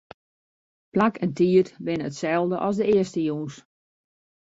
Plak en tiid binne itselde as de earste jûns.